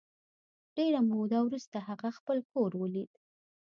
ډېره موده وروسته هغه خپل کور ولید